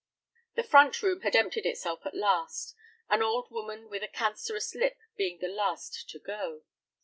The front room had emptied itself at last, an old woman with a cancerous lip being the last to go.